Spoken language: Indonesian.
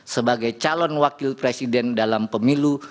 sebagai calon wakil presiden dalam pemilu